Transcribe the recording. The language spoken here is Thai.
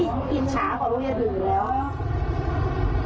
มันเป็นที่อินฉาของโรงเรียนอื่นแล้ว